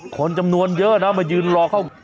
คนจำนวนเยอะนะมายืนรอเข้า